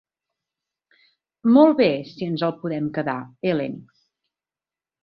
Molt bé, si ens el podem quedar, Ellen.